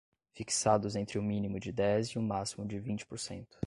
fixados entre o mínimo de dez e o máximo de vinte por cento